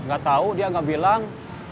gak tau dia gak bilang